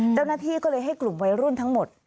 เจ้าหน้าที่ก็เลยให้กลุ่มวัยรุ่นทั้งหมด